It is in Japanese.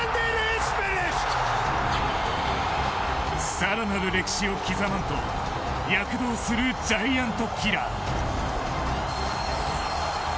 さらなる歴史を刻まんと躍動するジャイアントキラー。